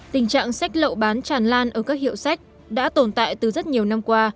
tình trạng sách lậu bán tràn lan ở các hiệu sách đã tồn tại từ rất nhiều năm qua